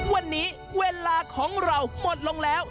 วันนี้เวลาของเราหมดลงแล้ว